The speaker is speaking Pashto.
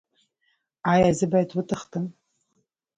ایا زه باید وتښتم؟